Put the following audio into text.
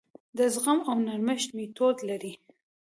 د زغم او نرمښت میتود لري.